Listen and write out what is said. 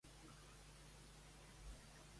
Com s'anomena actualment l'altra Terme?